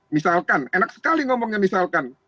misalkan enak sekali ngomongnya misalkan